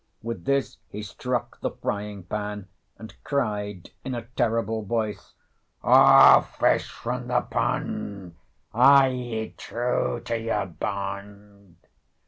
With this he struck the frying pan, and cried in a terrible voice "O fish from the pond, Are ye true to your bond?"